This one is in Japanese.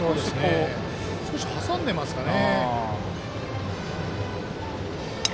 少し挟んでいますかね。